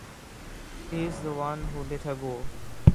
He's the one who let her go.